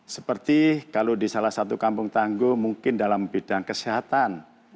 seperti kalau di salah satu kampung tangguh mungkin dalam bidang kesehatan